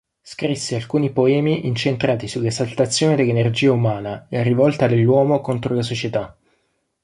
Scrisse alcuni poemi incentrati sull'esaltazione dell'energia umana, la rivolta dell'uomo contro la società.